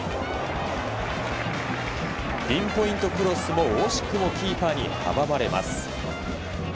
ピンポイントクロスも惜しくもキーパーに阻まれます。